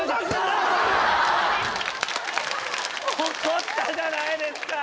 怒ったじゃないですか。